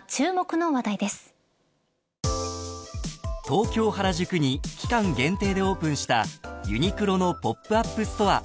［東京原宿に期間限定でオープンしたユニクロのポップアップストア］